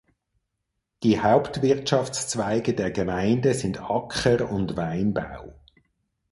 Die Hauptwirtschaftszweige der Gemeinde sind Acker- und Weinbau.